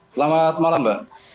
selamat malam mbak